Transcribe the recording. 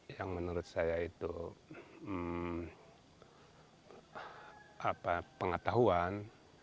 yang menurut saya itu pengetahuan